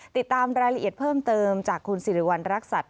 ติดตามรายละเอียดเพิ่มเติมจากคุณสิริวัณรักษัตริย